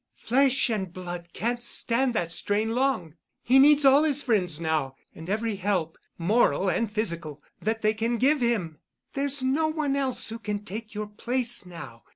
Flesh and blood can't stand that strain long. He needs all his friends now and every help, moral and physical, that they can give him. There's no one else who can take your place now.